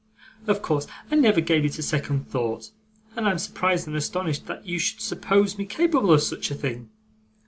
Of course, I never gave it a second thought, and I am surprised and astonished that you should suppose me capable of such a thing.